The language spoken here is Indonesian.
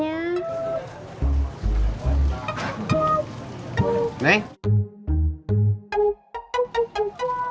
yang mau beli togenya